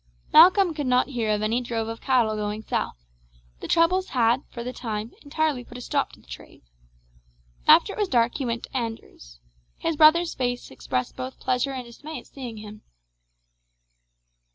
Malcolm could not hear of any drove of cattle going south. The troubles had, for the time, entirely put a stop to the trade. After it was dark he went to Andrew's. His brother's face expressed both pleasure and dismay at seeing him.